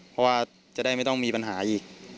เพราะว่าจะได้ไม่ต้องมีปัญหาอีก